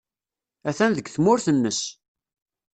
Atan deg tmurt-nnes.